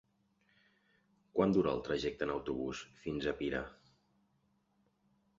Quant dura el trajecte en autobús fins a Pira?